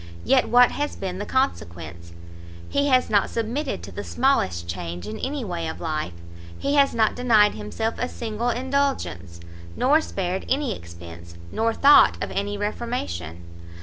yet what has been the consequence? he has not submitted to the smallest change in his way of life, he has not denied himself a single indulgence, nor spared any expence, nor thought of any reformation.